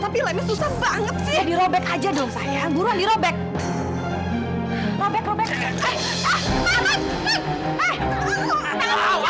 terima kasih siang